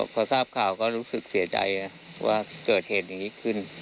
พอทราบข่าวก็รู้สึกเสียใจว่าเกิดเหตุอย่างนี้ขึ้น